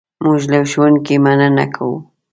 موږ له ښوونکي مننه کوو.